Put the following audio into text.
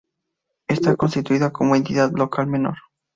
Está constituida como Entidad Local Menor.